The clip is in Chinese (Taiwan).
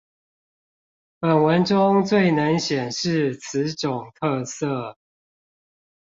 本文中最能顯示此種特色